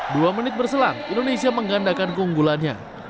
dua menit berselang indonesia menggandakan keunggulannya